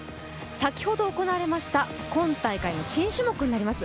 先ほど行われました、今大会の新種目になります